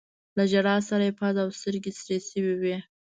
له ژړا سره يې پزه او سترګې سرې شوي وې.